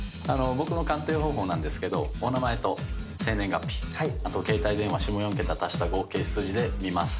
僕の鑑定方法ですけどお名前と生年月日あと携帯電話下４桁足した合計数字で見ます。